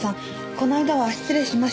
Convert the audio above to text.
この間は失礼しました。